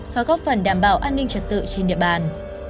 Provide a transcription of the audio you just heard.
và góp phần đảm bảo an ninh trật tự trên địa bàn